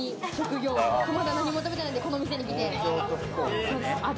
きょうはまだ何も食べてないんで、この店に来て。